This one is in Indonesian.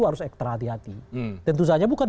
harus terhati hati tentu saja bukan